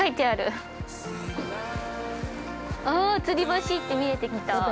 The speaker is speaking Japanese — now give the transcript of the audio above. ◆あ、つり橋って見えてきた。